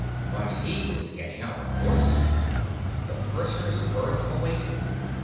But he was getting out, of course. The purser's berth awaited.